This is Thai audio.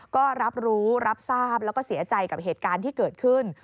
ก็รับรู้รับทราบแล้วก็เสียใจกับเหตุการณ์ที่เกิดขึ้น